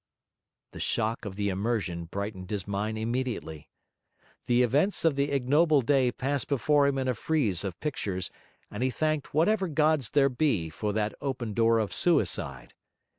The shock of the immersion brightened his mind immediately. The events of the ignoble day passed before him in a frieze of pictures, and he thanked 'whatever Gods there be' for that open door of suicide.